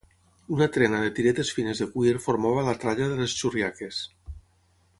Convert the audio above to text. Una trena de tiretes fines de cuir formava la tralla de les xurriaques.